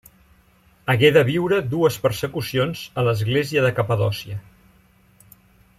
Hagué de viure dues persecucions a l'Església de Capadòcia.